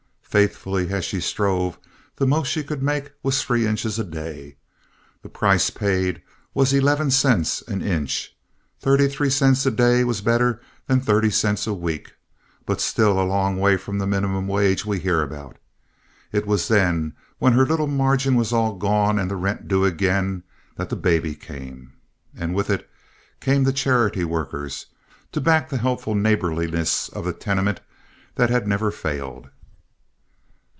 Faithfully as she strove, the most she could make was three inches in a day. The price paid was eleven cents an inch. Thirty three cents a day was better than thirty cents a week, but still a long way from the minimum wage we hear about. It was then, when her little margin was all gone and the rent due again, that the baby came. And with it came the charity workers, to back the helpful neighborliness of the tenement that had never failed.